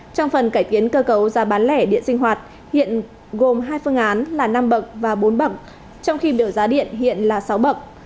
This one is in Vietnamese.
trong phần cải tiến cơ cấu giá bán lẻ điện sinh hoạt hiện gồm hai phương án là năm bậc và bốn bậc trong khi biểu giá điện hiện là sáu bậc